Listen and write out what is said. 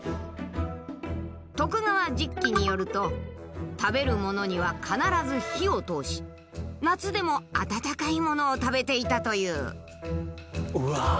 「徳川実紀」によると食べるものには必ず火を通し夏でも温かいものを食べていたという。